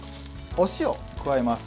お塩、加えます。